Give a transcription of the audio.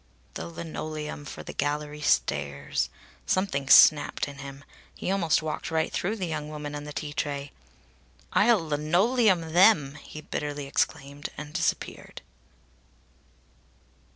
The linoleum for the gallery stairs! Something snapped in him. He almost walked right through the young woman and the tea tray. "I'll linoleum them!" he bitterly exclaimed, and disappeared.